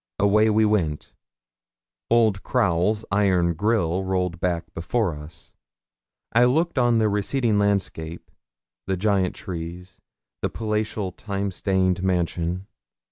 Away we went. Old Crowle's iron grille rolled back before us. I looked on the receding landscape, the giant trees the palatial, time stained mansion.